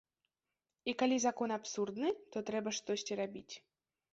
І калі закон абсурдны, то трэба штосьці рабіць.